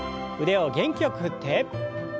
腕を元気よく振って。